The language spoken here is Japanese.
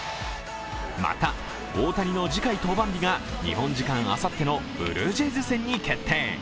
また、大谷の次回登板日が日本時間あさってのブルージェイズ戦に決定。